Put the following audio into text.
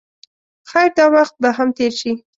خیر دا وخت به هم تېر شي.